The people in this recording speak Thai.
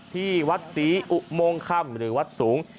ที่วัดศรีอุโมงคำหรือวัดสูง